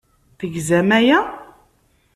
Tegzam aya?